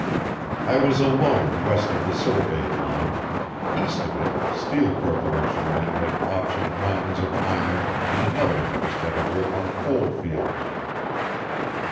I was alone west of the surveyed line; east of it steel corporation men had optioned mountains of iron and another interest had a grip on coal fields.